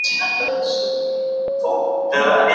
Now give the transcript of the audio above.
چي را لوی سم په کتاب کي مي لوستله